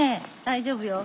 大丈夫よ。